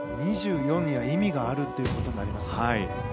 ２４には意味があるということになりますね。